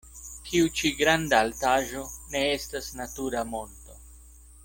Tiu ĉi granda altaĵo ne estas natura monto.